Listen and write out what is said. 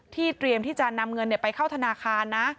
เตรียมที่จะนำเงินไปเข้าธนาคารนะ